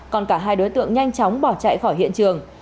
còn cả hai đối tượng nhanh chóng bỏ chạy khỏi hiện trường